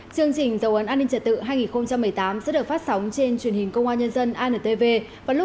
chương trình dấu ấn an ninh trật tự hai nghìn một mươi tám sẽ được phát sóng trên kênh dấu ấn an ninh trật tự